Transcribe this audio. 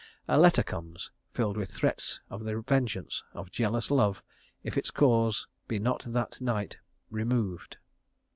A letter comes (VII.) filled with threats of the vengeance of jealous love if its cause be not that night removed.